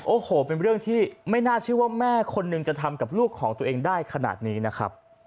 โอ้โหเป็นเรื่องที่ไม่น่าเชื่อว่าแม่คนหนึ่งจะทำกับลูกของตัวเองได้ขนาดนี้นะครับ